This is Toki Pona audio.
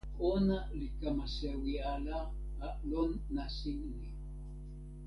ona li kama sewi ala a lon nasin ni.